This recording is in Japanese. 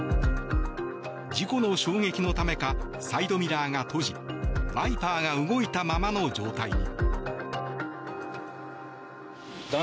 事故の衝撃のためかサイドミラーが閉じワイパーが動いたままの状態に。